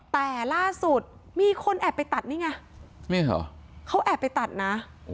แต่ล่าสุดมีคนแอบไปตัดนี่ไงนี่เหรอเขาแอบไปตัดนะ